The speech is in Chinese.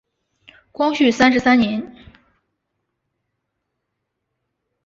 光绪三十三年。